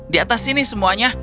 di atas sini semuanya